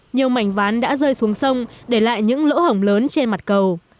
nhiều mảnh ván đã rơi xuống sông để lại những lỗ hổng lớn trên mặt cầu